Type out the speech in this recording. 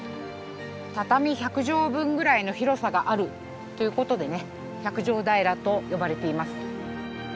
畳１００畳分ぐらいの広さがあるということでね百畳平と呼ばれています。